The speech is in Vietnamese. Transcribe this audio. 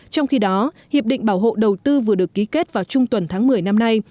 trong khi đó hiệp định bảo hộ đầu tư vừa được ký kết vào trung tuần tháng một mươi năm nay